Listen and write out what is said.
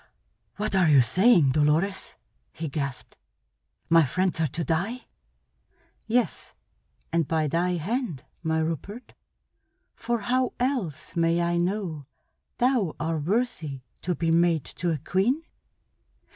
"What are you saying, Dolores?" he gasped. "My friends are to die?" "Yes, and by thy hand, my Rupert. For how else may I know thou are worthy to be mate to a queen?"